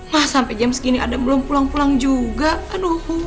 mah sampe jam segini adem belum pulang pulang juga aduh